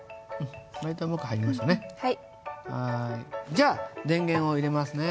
じゃあ電源を入れますね。